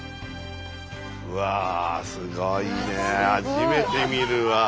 うわすごいね初めて見るわ。